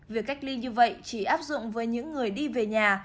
việc cách ly như vậy chỉ áp dụng với những người đi về nhà